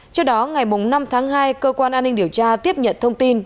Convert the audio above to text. trước đó ngày năm tháng hai cơ quan an ninh điều tra tiếp nhận thông tin